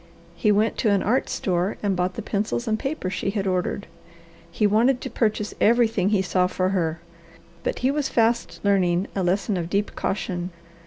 He went to an art store and bought the pencils and paper she had ordered. He wanted to purchase everything he saw for her, but he was fast learning a lesson of deep caution.